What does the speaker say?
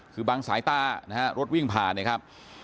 คือบางสายตานะฮะรถวิ่งผ่านเนี่ยครับ